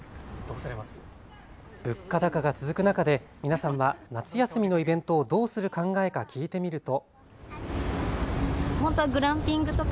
物価高が続く中で皆さんは夏休みのイベントをどうする考えか聞いてみると。